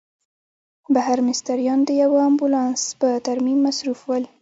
بهر مستریان د یوه امبولانس په ترمیم مصروف ول.